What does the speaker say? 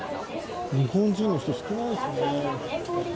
日本人の人、少ないですね。